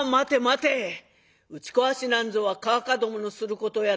打ち壊しなんぞはかあかどものすることやない。